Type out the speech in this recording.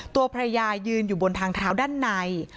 ตัวภรรยายืนอยู่บนทางเท้าด้านใน